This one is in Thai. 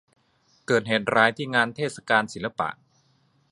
เกิดเหตุร้ายที่งานเทศกาลศิลปะ